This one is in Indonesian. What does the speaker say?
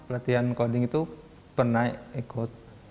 latihan coding itu pernah ikut